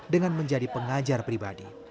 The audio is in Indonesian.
dengan menjadi pengajar pribadi